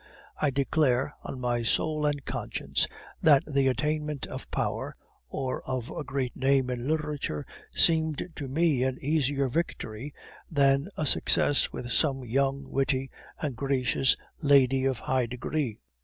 I declare, on my soul and conscience, that the attainment of power, or of a great name in literature, seemed to me an easier victory than a success with some young, witty, and gracious lady of high degree.